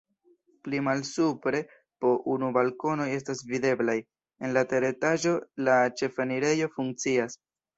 Pli malsupre po unu balkonoj estas videblaj, en la teretaĝo la ĉefenirejo funkcias.